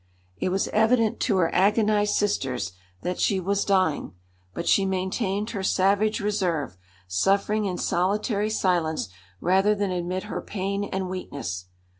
It was evident to her agonised sisters that she was dying, but she maintained her savage reserve, suffering in solitary silence rather than admit her pain and weakness.